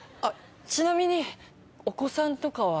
ちなみにお子さんとかは？